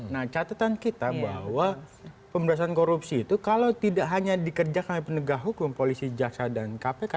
nah catatan kita bahwa pemberantasan korupsi itu kalau tidak hanya dikerjakan oleh penegak hukum polisi jaksa dan kpk